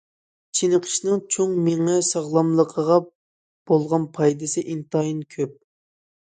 چېنىقىشنىڭ چوڭ مېڭە ساغلاملىقىغا بولغان پايدىسى ئىنتايىن كۆپ.